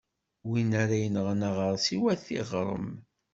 Win ara yenɣen aɣeṛsiw, ad t-iɣrem.